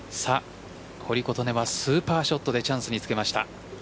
堀琴音はスーパーショットでチャンスにつけました。